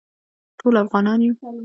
ټول افغانان یو